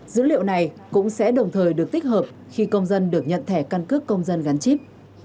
dữ liệu này cũng sẽ đồng thời được tích hợp khi công dân được nhận thẻ căn cước công dân gắn chip